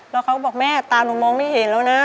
แล้วเขาก็บอกแม่ตาหนูมองไม่เห็นแล้วนะ